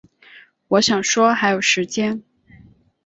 我想说还有时间